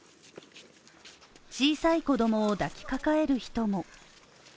小さい子供を抱きかかえる人も。